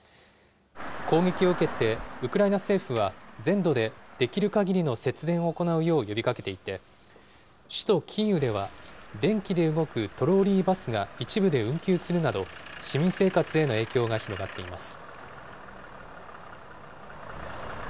攻撃を受けて、ウクライナ政府は全土でできるかぎりの節電を行うよう呼びかけていて、首都キーウでは、電気で動くトロリーバスが一部で運休するなど、市民生活への影響が広がっています。